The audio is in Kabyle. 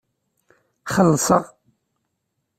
Xellseɣ.